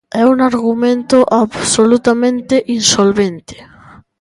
É un argumento absolutamente insolvente.